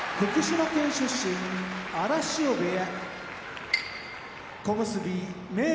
福島県出身荒汐部屋